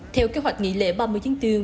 theo kế hoạch nghỉ lễ ba mươi chín tương